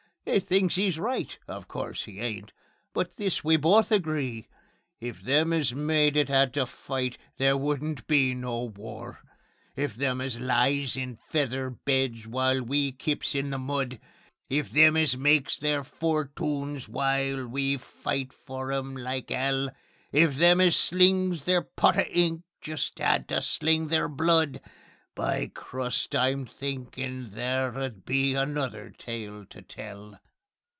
'E thinks 'e's right (of course 'e ain't) but this we both agree, If them as made it 'ad to fight, there wouldn't be no war. If them as lies in feather beds while we kips in the mud; If them as makes their fortoons while we fights for 'em like 'ell; If them as slings their pot of ink just 'ad to sling their blood: By Crust! I'm thinkin' there 'ud be another tale to tell.